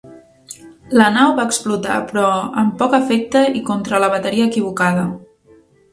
La nau va explotar, però amb poc efecte i contra la bateria equivocada.